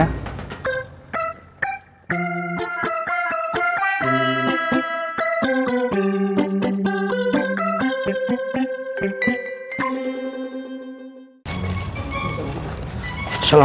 tidak usah bantuin